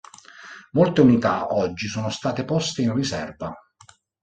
Molte unità oggi sono state poste in riserva.